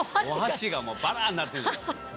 お箸がもうバランなってる。